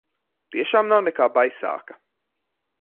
Tiešām nav nekā baisāka?